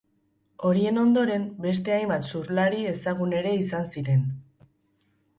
Horien ondoren, beste zenbait surflari ezagun ere izan ziren.